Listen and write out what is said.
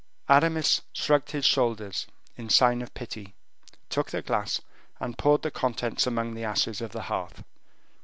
Aramis shrugged his shoulders in sign of pity, took the glass, and poured out the contents among the ashes of the hearth.